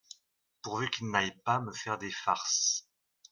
Pourvu qu’il n’aille pas me faire des farces…